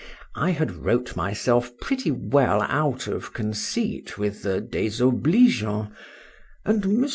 I had wrote myself pretty well out of conceit with the désobligeant, and Mons.